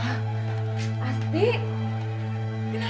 ya kakak lari